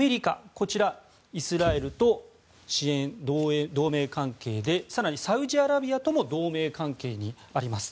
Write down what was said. こちらイスラエルと支援、同盟関係で更にサウジアラビアとも同盟関係にあります。